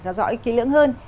ra dõi kỹ lưỡng hơn